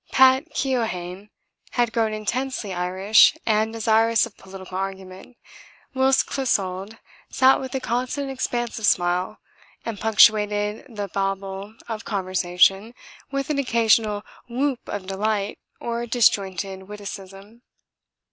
Pat' Keohane had grown intensely Irish and desirous of political argument, whilst Clissold sat with a constant expansive smile and punctuated the babble of conversation with an occasional 'Whoop' of delight or disjointed witticism.